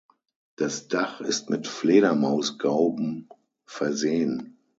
Das Dach ist mit Fledermausgauben versehen.